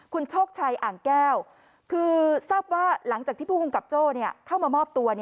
คุณโชคชัยอ่างแก้วคือทราบว่าหลังจากที่ผู้กำกับโจ้เข้ามามอบตัว